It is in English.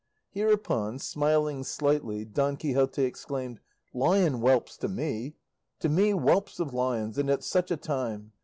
Hereupon, smiling slightly, Don Quixote exclaimed, "Lion whelps to me! to me whelps of lions, and at such a time!